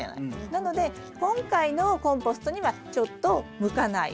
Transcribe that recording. なので今回のコンポストにはちょっと向かない。